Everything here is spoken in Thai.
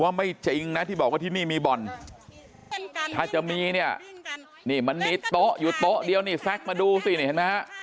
ไม่จริงนะที่บอกว่าที่นี่มีบ่อนถ้าจะมีเนี่ยนี่มันมีโต๊ะอยู่โต๊ะเดียวนี่แซ็กมาดูสินี่เห็นไหมฮะ